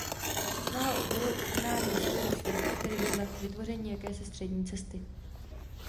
Snaha o urovnání sporu „svrchu“ tehdy vedla k vytvoření jakési střední cesty.